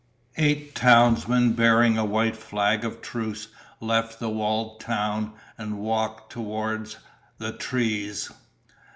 Eight townsmen bearing a white flag of truce left the walled town and walked toward the trees.